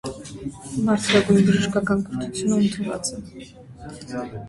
Բարձրագոյն բժշկական կրթութիւն ունեցած է։